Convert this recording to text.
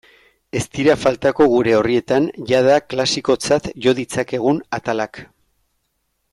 Ez dira faltako gure orrietan jada klasikotzat jo ditzakegun atalak.